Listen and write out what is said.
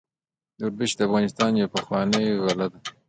وربشې د افغانستان یوه پخوانۍ غله ده.